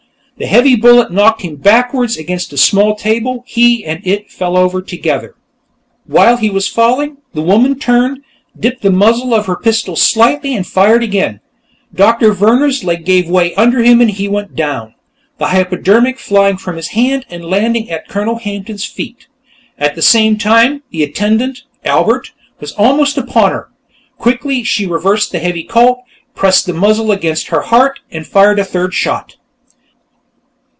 The heavy bullet knocked him backward against a small table; he and it fell over together. While he was falling, the woman turned, dipped the muzzle of her pistol slightly and fired again; Doctor Vehrner's leg gave way under him and he went down, the hypodermic flying from his hand and landing at Colonel Hampton's feet. At the same time, the attendant, Albert, was almost upon her. Quickly, she reversed the heavy Colt, pressed the muzzle against her heart, and fired a third shot.